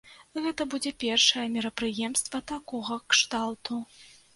Гэта будзе першае мерапрыемства такога кшталту.